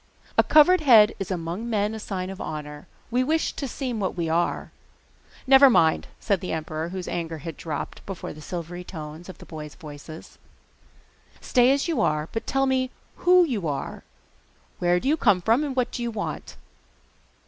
'A covered head is among men a sign of honour. We wish to seem what we are.' 'Never mind,' said the emperor, whose anger had dropped before the silvery tones of the boy's voice. 'Stay as you are, but tell me WHO you are! Where do you come from, and what do you want?